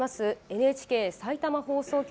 ＮＨＫさいたま放送局